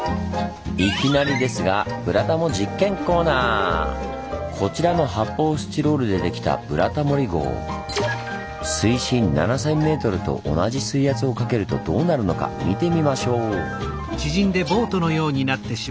いきなりですがこちらの発泡スチロールでできたブラタモリ号水深７，０００ｍと同じ水圧をかけるとどうなるのか見てみましょう！